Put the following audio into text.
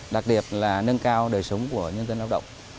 đặc biệt là nâng cao đời sống của nhân dân lao động